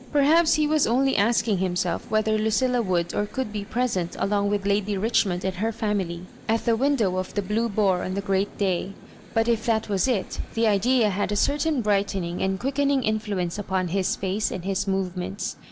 Perhaps he was only asking himself whether Ludlla would or could be present along with Lady Richmond and her &mily at the wmdow of the Blue Boar on the great day ; but if that waait, the idea had a certain brightening and quicken ing influence upon his &ce and his movements.